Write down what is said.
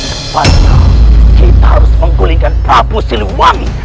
sepatutnya kita harus menggulingkan prabu siliwangi